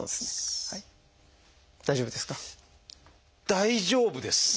大丈夫ですか？